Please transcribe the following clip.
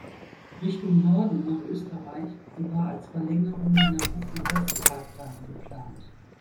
Richtung Norden, nach Österreich, war als Verlängerung die Nabucco-West-Pipeline geplant.